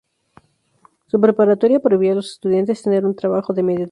Su preparatoria prohibía a los estudiantes tener un trabajo de medio tiempo.